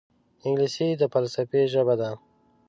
انګلیسي د فلسفې ژبه ده